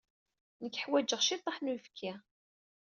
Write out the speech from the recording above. Nekk ḥwajeɣ ciṭṭaḥ n uyefki.